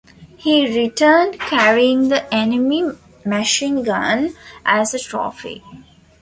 He returned carrying the enemy machinegun as a trophy.